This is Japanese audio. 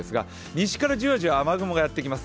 西からじわじわ雨雲がやってきます